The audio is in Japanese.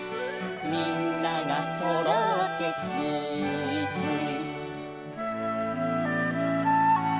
「みんながそろってつーいつい」